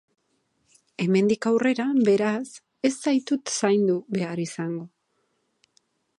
Hemendik aurrera, beraz, ez zaitut zaindu behar izango.